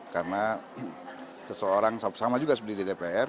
karena seseorang sama juga seperti dpr